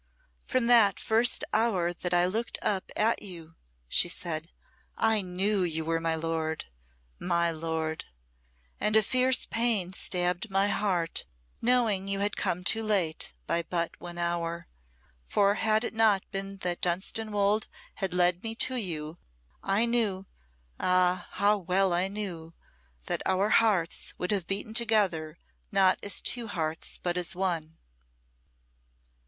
"From that first hour that I looked up at you," she said, "I knew you were my lord my lord! And a fierce pain stabbed my heart, knowing you had come too late by but one hour; for had it not been that Dunstanwolde had led me to you, I knew ah! how well I knew that our hearts would have beaten together not as two hearts but as one."